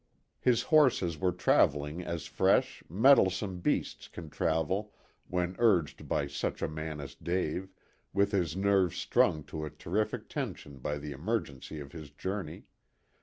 His horses were traveling as fresh, mettlesome beasts can travel when urged by such a man as Dave, with his nerves strung to a terrific tension by the emergency of his journey.